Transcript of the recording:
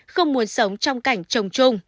không muốn sống trong cảnh chồng chung